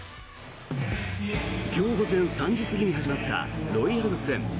今日午前３時過ぎに始まったロイヤルズ戦。